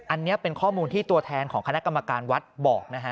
อันนี้เป็นข้อมูลที่ตัวแทนของคณะกรรมการวัดบอกนะฮะ